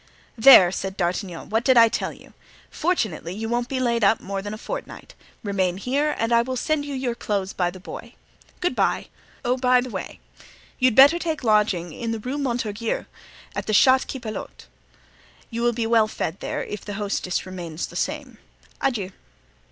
"There!" said D'Artagnan, "what did I tell you? Fortunately, you won't be laid up more than a fortnight. Remain here and I will send you your clothes by the boy. Good by! Oh, by the way, you'd better take lodging in the Rue Montorgueil at the Chat Qui Pelote. You will be well fed there, if the hostess remains the same. Adieu."